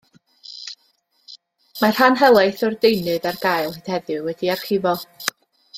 Mae rhan helaeth o'r deunydd ar gael hyd heddiw wedi'i archifo.